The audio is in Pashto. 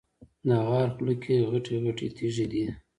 د غار خوله کې غټې غټې تیږې دي.